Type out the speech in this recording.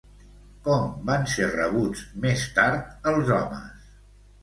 Com van ser rebuts, més tard, els homes?